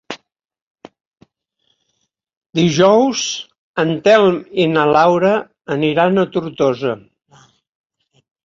Dijous en Telm i na Laura aniran a Tortosa.